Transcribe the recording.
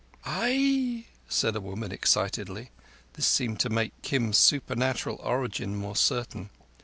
"Ai!" said a woman excitedly. This seemed to make Kim's supernatural origin more certain.